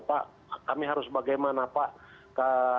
pak kami harus bagaimana pak